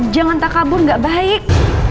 jangan takabur gak baik